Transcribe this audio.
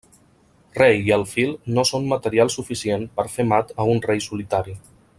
Rei i alfil no són material suficient per fer mat a un rei solitari.